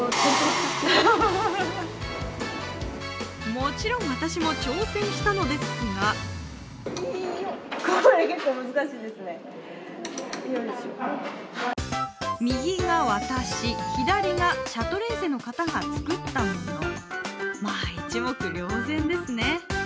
もちろん私も挑戦したのですが右が私、左がシャトレーゼの方が作ったもの、まぁ、一目瞭然ですね。